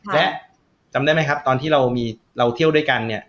และจำได้ไหมครับตอนที่เรามีเราเที่ยวด้วยกันเนี่ย